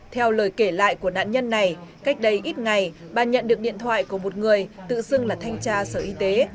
theo lời kể lại của nạn nhân này cách đây ít ngày bà nhận được điện thoại của một người tự xưng là thanh tra sở y tế